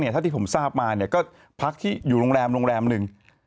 เท่าที่ผมทราบมาก็พักที่อยู่โรงแรมโรงแรมหนึ่ง